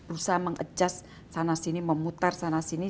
usah mengadjust sana sini memutar sana sini